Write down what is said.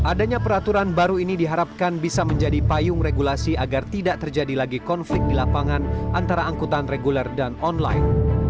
adanya peraturan baru ini diharapkan bisa menjadi payung regulasi agar tidak terjadi lagi konflik di lapangan antara angkutan reguler dan online